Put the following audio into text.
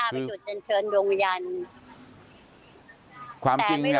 ให้อาไปเฉินดวงวิญญาณ